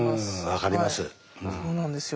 分かります。